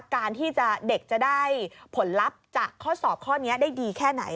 การที่เด็กจะได้ผลลัพธ์จากข้อสอบข้อนี้ได้ดีแค่ไหน